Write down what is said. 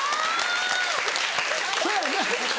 そやな。